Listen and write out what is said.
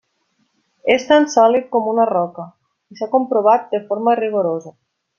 És tan sòlid com una roca i s'ha comprovat de forma rigorosa.